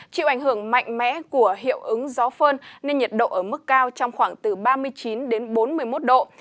chịu ảnh hưởng mạnh mẽ của hiệu ứng gió phơn nên nhiệt độ ở mức cao trong khoảng từ ba mươi chín đến bốn mươi một độ